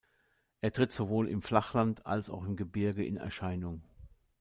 Er tritt sowohl im Flachland als auch im Gebirge in Erscheinung.